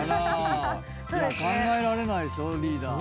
考えられないでしょリーダー。